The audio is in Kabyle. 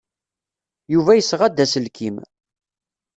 Yuba yesɣa-d aselkim.